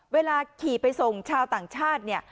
เวลาขี่ไปส่งชาวต่างชาติเนี่ย